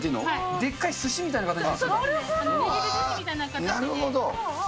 でっかいすしみたいな形に。